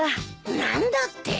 何だって！？